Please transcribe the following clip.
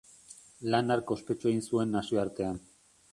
Lan hark ospetsu egin zuen nazioartean.